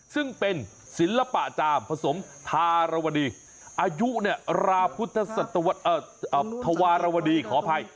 ซึ่งเป็นศิลปอาจารย์ผสมธารวดีอายุราพุทธศัตวรรษฐวารวดีขออภัย